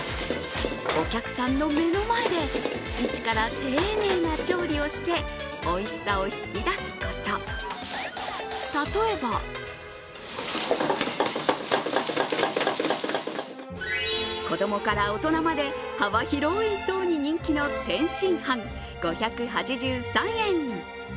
お客さんの目の前で一から丁寧な調理をしておいしさを引き出すこと、例えば子供から大人まで幅広い層に人気の天津飯、５８３円。